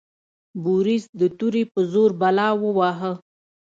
بوریس د تورې په زور بلا وواهه.